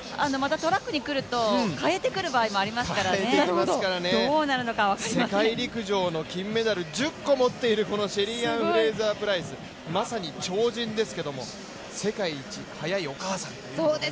ただ、トラックに来ると変えてくる場合もありますからね、世界陸上の金メダルを１０個持っているこのシェリーアン・フレイザープライス、まさに超人ですけれども世界一速いお母さんということで。